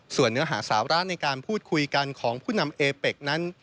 ส่วนเนื้อหาสาระในการพูดคุยกันของผู้นำเอเป็กนั้น